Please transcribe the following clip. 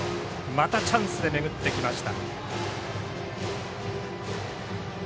またチャンスで巡ってきました。